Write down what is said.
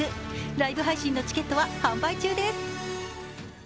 ライブ配信のチケットは販売中です。